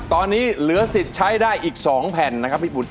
ตอนนี้เหลือสิทธิ์ใช้ได้อีก๒แผ่นนะครับพี่บุตร